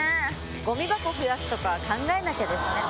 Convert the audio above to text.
ごみ箱増やすとか考えなきゃですね。